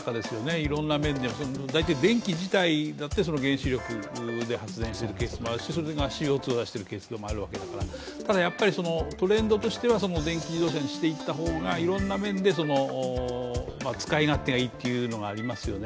いろんな面で、電気自体だって原子力で発電しているケースもあるしＣＯ２を出しているケースもあるわけだからただ、トレンドとしては電気自動車にしていった方がいろんな面で使い勝手がいいっていうのがありますよね。